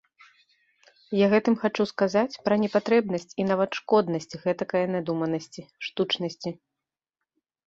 Я гэтым хачу сказаць пра непатрэбнасць і нават шкоднасць гэтакае надуманасці, штучнасці.